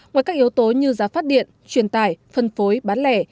ngoài các yếu tố như giá phát điện truyền tải phân phối bán lẻ